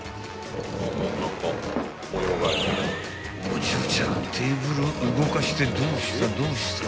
［お嬢ちゃんテーブルを動かしてどうした？